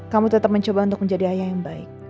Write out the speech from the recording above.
kamu tetap mencoba untuk menjadi ayah yang baik